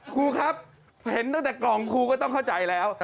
ครูครับเห็นตั้งแต่กล่องครูก็ต้องเข้าใจแล้ว